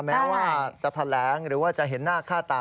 แม้ว่าจะแถลงหรือว่าจะเห็นหน้าค่าตา